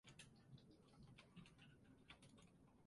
In other cases, "player of the year" is used.